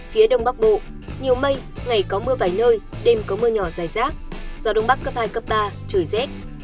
phía đông bắc bộ nhiều mây ngày có mưa vài nơi đêm có mưa nhỏ dài rác gió đông bắc cấp hai cấp ba trời rét